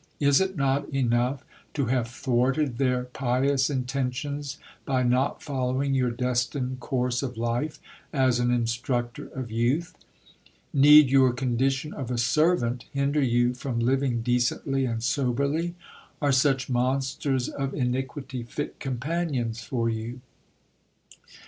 Is it not enough to have thwarted their pious intentions, by not following your destined course of life as an instructor of youth ? Need your condition of a servant hinder you from living decently and soberly ? Are such monsters of iniquity fit companions for you